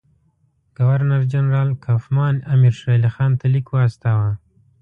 ګورنر جنرال کوفمان امیر شېرعلي خان ته لیک واستاوه.